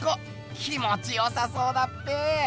気もちよさそうだっぺ。